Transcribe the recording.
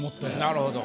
なるほど。